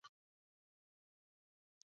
我觉得不够过瘾